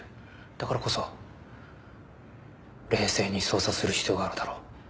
だからこそ冷静に捜査する必要があるだろう。